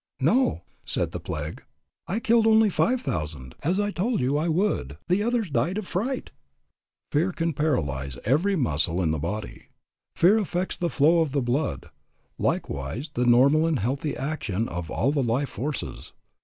"No," said the plague. "I killed only five thousand, as I told you I would; the others died of fright." Fear can paralyze every muscle in the body. Fear affects the flow of the blood, likewise the normal and healthy action of all the life forces.